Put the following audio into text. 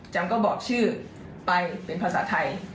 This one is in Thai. ก็บอกชื่อไปเป็นภาษาไทย